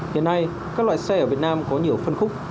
hiện nay các loại xe ở việt nam có nhiều phân khúc